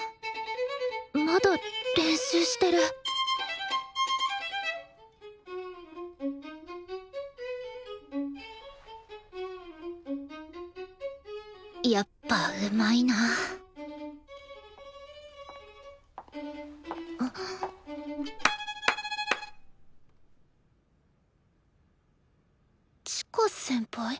まだ練習してるやっぱうまいな千佳先輩？